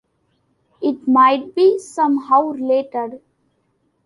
It might be somehow related.